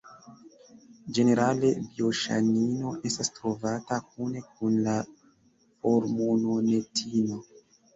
Ĝenerale bioŝanino estas trovata kune kun la formononetino.